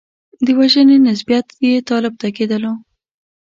د وژنې نسبیت یې طالب ته کېدلو.